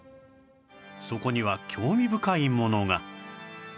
そこには興味深いものが